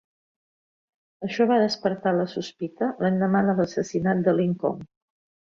Això va despertar la sospita l'endemà de l'assassinat de Lincoln.